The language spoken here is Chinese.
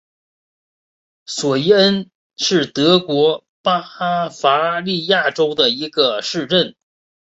索伊恩是德国巴伐利亚州的一个市镇。